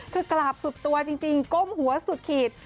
คือกราบสุดตัวจริงก้มหัวสุดขีด